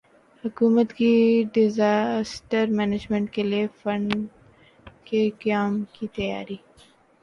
حکومت کی disaster management کیلئے فنڈ کے قیام کی تیاری